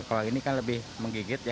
kalau ini kan lebih menggigit ya